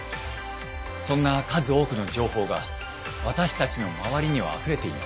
そんな数多くの情報が私たちの周りにはあふれています。